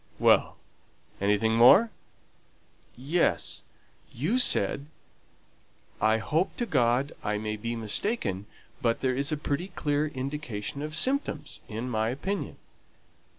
'" "Well. Anything more?" "Yes; you said, 'I hope to God I may be mistaken; but there is a pretty clear indication of symptoms, in my opinion.'"